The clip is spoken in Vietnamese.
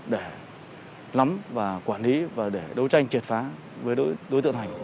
để nắm và quản lý và để đấu tranh triệt phá với đối tượng thành